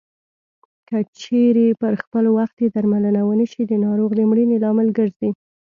که چېرې پر خپل وخت یې درملنه ونشي د ناروغ د مړینې لامل ګرځي.